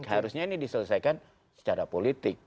harusnya ini diselesaikan secara politik